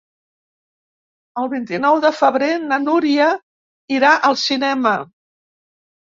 El vint-i-nou de febrer na Núria irà al cinema.